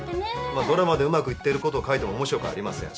まあドラマでうまくいっていることを書いても面白くありません。